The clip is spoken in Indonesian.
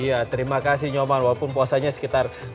iya terima kasih nyoman walaupun puasanya sekitar di jam